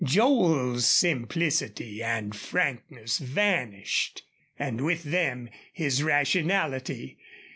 Joel's simplicity and frankness vanished, and with them his rationality.